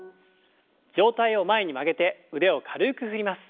上体を前に曲げて腕を軽く振ります。